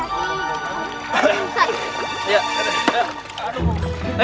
naik pak d